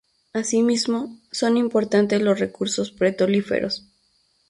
Asimismo, son importantes los recursos petrolíferos.